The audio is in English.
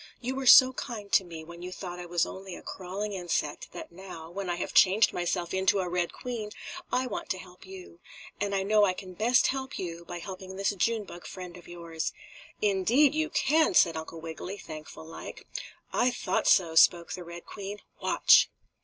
You were so kind to me when you thought I was only a crawling insect that now, when I have changed myself into a Red Queen, I want to help you. And I know I can best help you by helping this June bug friend of yours." "Indeed, you can!" said Uncle Wiggily, thankful like. "I thought so," spoke the Red Queen. "Watch!"